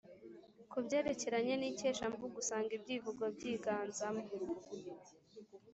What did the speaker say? ku byerekeranye n’ikeshamvugo, usanga ibyivugo byiganzamo